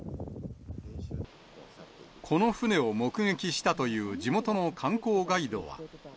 この船を目撃したという地元の観光ガイドは。